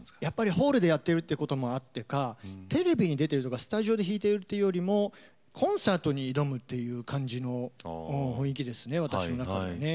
ホールでやってるということもあってかテレビ出ているというよりスタジオで弾いているというよりもコンサートに挑むという雰囲気ですね、私の中ではね。